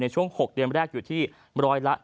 ช่วง๖เดือนแรกอยู่ที่ร้อยละ๗